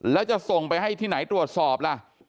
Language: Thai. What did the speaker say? แล้วจะส่งไปให้ที่ไหนตรวจสอบล่ะ